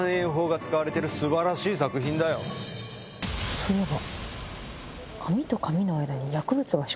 そういえば。